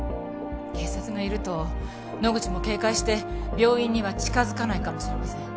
警察がいると野口も警戒して病院には近づかないかもしれません。